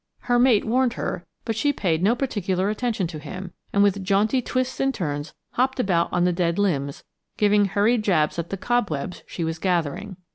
Her mate warned her, but she paid no particular attention to him, and with jaunty twists and turns hopped about on the dead limbs, giving hurried jabs at the cobwebs she was gathering.